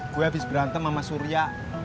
gue habis berantem sama surya